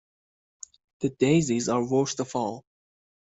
‘The daisies are worst of all.